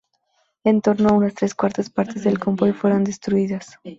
En torno a unas tres cuartas partes del convoy fueron destruidas.